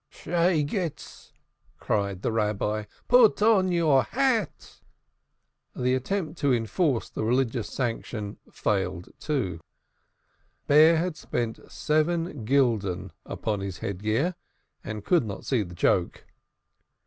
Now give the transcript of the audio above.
"Heathen," cried the Rabbi. "Put on your hat." The attempt to enforce the religious sanction failed too. Bear had spent several gulden upon his head gear, and could not see the joke.